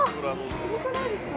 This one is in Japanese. ◆すごくないですか。